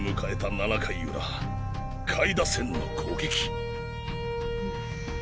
７回裏下位打線の攻撃。